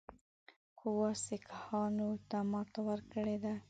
قواوو سیکهانو ته ماته ورکړې ده.